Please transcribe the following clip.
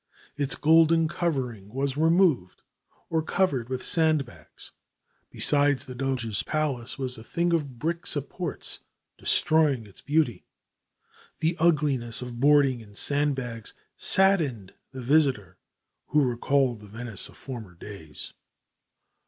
Its golden covering was removed or covered with sandbags. Beside the Doges' Palace was a thing of brick supports, destroying its beauty. The ugliness of boarding and sandbags saddened the visitor who recalled the Venice of former days.